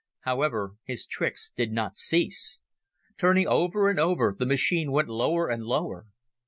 However, his tricks did not cease. Turning over and over, the machine went lower and lower.